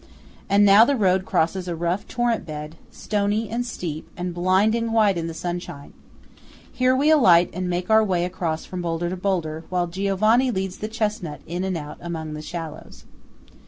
And now the road crosses a rough torrent bed, stony, and steep, and blinding white in the sunshine. Here we alight and make our way across from boulder to boulder, while Giovanni leads the chesnut in and out among the shallows.